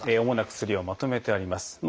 主な薬をまとめてあります。